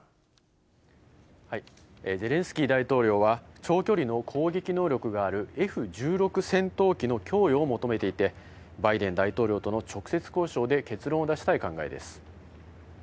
ゼレンスキー大統領は、長距離の攻撃能力があるＦ１６戦闘機の供与を求めていて、バイデン大統領との直接交渉で、結論を出したい考えです。